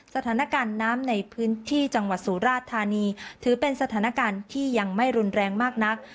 สถานการณ์น้ำในพื้นที่จังหวัดสุราธานีถือเป็นสถานการณ์ที่ยังไม่รุนแรงมากนัก